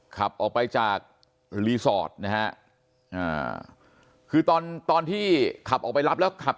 ขับออกไปจากรีสอร์ทนะฮะคือตอนตอนที่ขับออกไปรับแล้วขับ